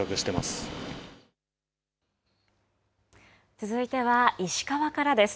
続いては石川からです。